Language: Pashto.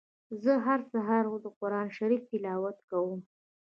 زه هر سهار د قرآن شريف تلاوت کوم.